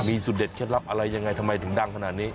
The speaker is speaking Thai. มีสูตรเด็ดเคล็ดลับอะไรยังไงทำไมถึงดังขนาดนี้